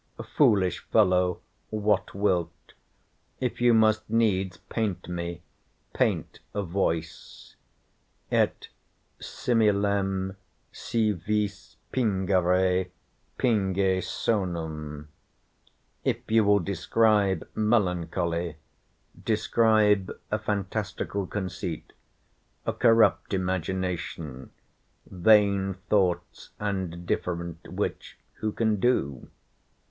foolish fellow, what wilt? if you must needs paint me, paint a voice, et similem si vis pingere, pinge sonum; if you will describe melancholy, describe a phantastical conceit, a corrupt imagination, vain thoughts and different, which who can do?